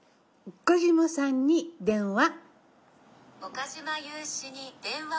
岡嶋さんに電話。